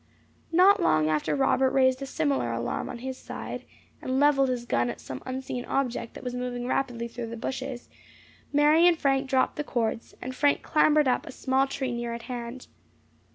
Not long after Robert raised a similar alarm on his side, and levelled his gun at some unseen object that was moving rapidly through the bushes. Mary and Frank dropped the cords, and Frank clambered up a small tree near at hand.